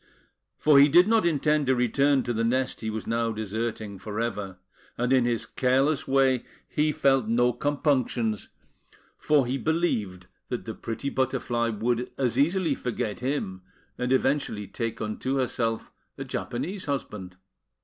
For he did not intend to return to the nest he was now deserting for ever; and in his careless way he felt no compunctions, for he believed that the pretty Butterfly would as easily forget him, and eventually take unto herself a Japanese husband.